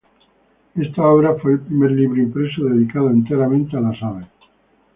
Esta obra fue el primer libro impreso dedicado enteramente a las aves.